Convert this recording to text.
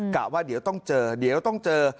กะว่าเดี๋ยวต้องเจอเดี๋ยวต้องเจอ